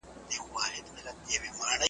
ایا فلمونه هم ګورې؟